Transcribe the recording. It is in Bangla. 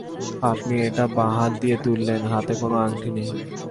আপনি এটা বাঁ হাত দিয়ে তুললেন, হাতে কোনো আংটি নেই।